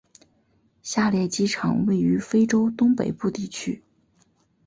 下列机场位于非洲东北部地区。